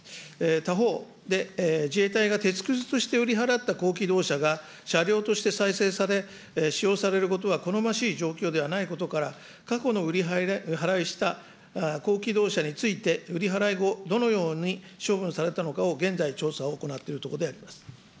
他方、自衛隊が鉄くずとして売り払った高機動車が車両として再生され、使用されることは好ましい状況ではないことから、過去の売り払いした高機動車について、売り払い後、どのように処分されたのかを現在、調査を行っているところでありま